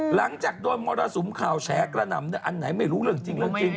หลังจากโดนละสุมค่าวแชร์กระนำอันไหนไม่รู้เรื่องจริง